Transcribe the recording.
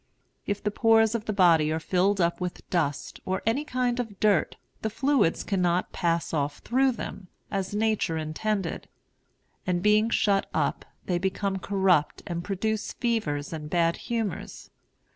If the pores of the body are filled up with dust, or any kind of dirt, the fluids cannot pass off through them, as Nature intended; and, being shut up, they become corrupt and produce fevers and bad humors.